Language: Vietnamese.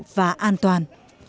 và an toàn